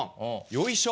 よいしょ。